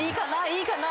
いいかな？